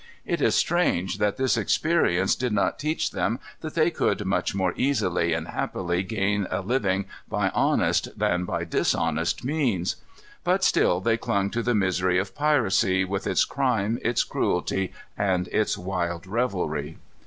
It is strange that this experience did not teach them that they could much more easily and happily gain a living by honest than by dishonest means. But still they clung to the misery of piracy, with its crime, its cruelty, and its wild revelry.